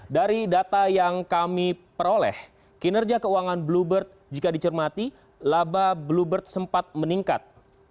dari data yang kami peroleh kinerja keuangan bluebird jika dicermati laba bluebird sempat meningkat